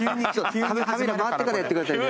カメラ回ってからやってくださいね。